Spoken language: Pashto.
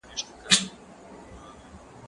زه پرون کتابونه لولم وم،